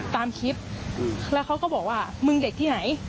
ตามคลิปแล้วเขาก็บอกว่ามึงเด็กที่ไหน